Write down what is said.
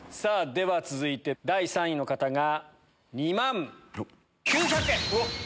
では続いて第３位の方が２万９００円。